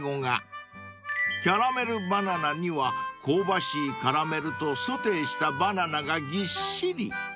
［キャラメルバナナには香ばしいカラメルとソテーしたバナナがぎっしり］